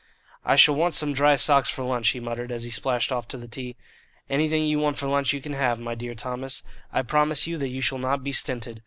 "I shall want some dry socks for lunch," he muttered, as he splashed off to the tee. "Anything you want for lunch you can have, my dear Thomas. I promise you that you shall not be stinted.